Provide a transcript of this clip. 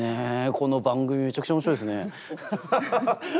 この番組めちゃくちゃ面白いですね。